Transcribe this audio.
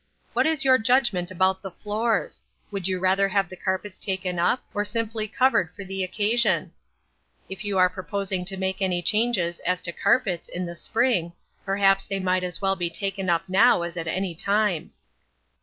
What is your judgment about the floors? Would you rather have the carpets taken up, or simply covered for the occasion ? If you are proposing to make any changes as to carpets in the spring, perhaps they might as well be taken up now as at any time."